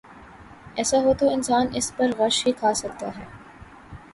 ایسا ہو تو انسان اس پہ غش ہی کھا سکتا ہے۔